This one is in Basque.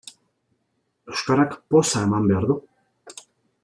Euskarak poza eman behar du.